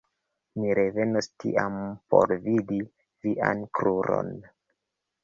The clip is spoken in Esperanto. Mi revenos tiam por vidi vian kruron.